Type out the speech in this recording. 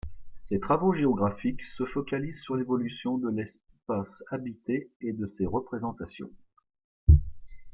Ses travaux géographiques se focalisent sur l'évolution de l'espace habité et de ses représentations.